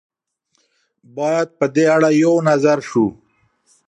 باید په دې اړه یو نظر شو.